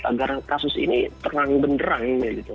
agar kasus ini terang benderang